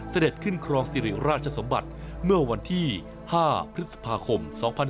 เสด็จขึ้นครองสิริราชสมบัติเมื่อวันที่๕พฤษภาคม๒๕๖๒